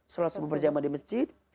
sholat subuh berjamaah di masjid